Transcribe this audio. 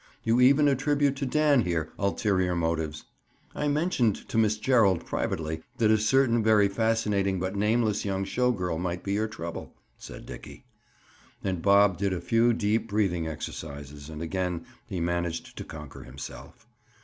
You even attribute to Dan here, ulterior motives." "I mentioned to Miss Gerald, privately, that a certain very fascinating but nameless young show girl might be your trouble," said Dickie. Again Bob did a few deep breathing exercises, and again he managed to conquer himself.